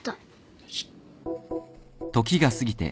よし。